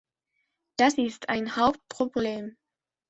Das ist ein Hauptproblem.